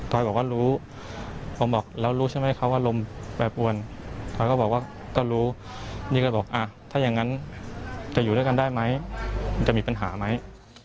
ถอยบอกว่ารู้ผมบอกแล้วรู้ใช่ไหมเขาว่าลมแบบอ้วนถอยก็บอกว่าก็รู้นี่ก็บอกอ่ะถ้าอย่างงั้นจะอยู่ด้วยกันได้ไหมจะมีปัญหาไหม